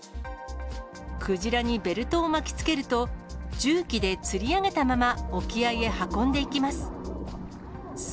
クジラにベルトを巻きつけると、重機でつり上げたまま沖合へ運んでいきます。